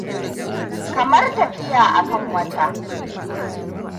Kamar tafiya a kan wata.